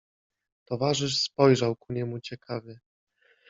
Towarzysz spojrzał ku niemu ciekawie.